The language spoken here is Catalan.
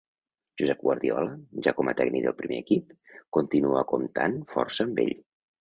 Josep Guardiola, ja com a tècnic del primer equip, continua comptant força amb ell.